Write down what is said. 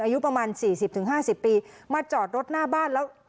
อายุประมาณสี่สิบถึงห้าสิบปีมาจอดรถหน้าบ้านแล้ว